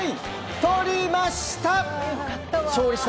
とりました！